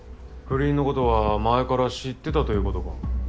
不倫のことは前から知ってたということか。